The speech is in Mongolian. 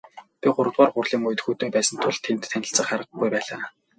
Би гуравдугаар хурлын үед хөдөө байсан тул тэнд танилцах аргагүй байлаа.